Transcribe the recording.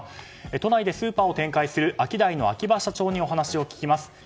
都内でスーパーを展開するアキダイの秋葉社長にお話を聞きます。